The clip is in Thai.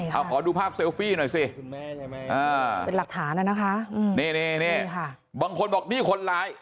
เอาขอดูภาพเซลฟี่หน่อยสิเป็นหลักฐานนะคะนี่บางคนบอกนี่คนร้าย